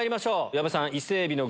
矢部さん。